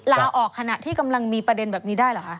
ลาออกขณะที่กำลังมีประเด็นแบบนี้ได้เหรอคะ